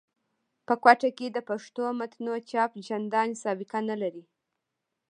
په کوټه کښي د پښتو متونو چاپ چندان سابقه نه لري.